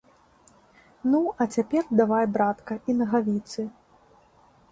Ну, а цяпер давай, братка, і нагавіцы.